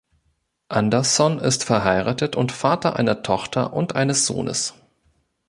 Anderson ist verheiratet und Vater einer Tochter und eines Sohnes.